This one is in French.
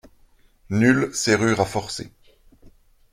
Nulle serrure à forcer.